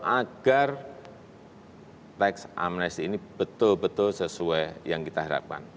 agar tax amnesti ini betul betul sesuai yang kita harapkan